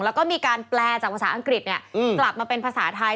แล้วก็มีการแปลจากภาษาอังกฤษกลับมาเป็นภาษาไทย